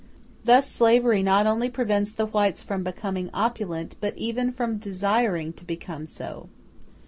Thus slavery not only prevents the whites from becoming opulent, but even from desiring to become so.